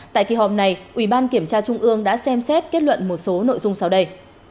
tại kỳ họp này ủy ban kiểm tra trung ương đã xem xét kết luận một số nội dung sau đây